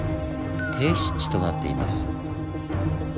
低湿地となっています。